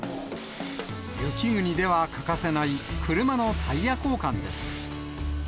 雪国では欠かせない、車のタイヤ交換です。